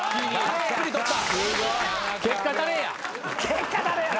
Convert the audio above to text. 結果誰や？